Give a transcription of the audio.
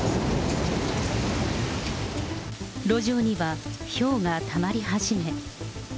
路上には、ひょうがたまり始め。